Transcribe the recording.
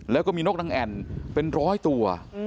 แล้วก็มีนกนางแอ่นเป็นร้อยตัว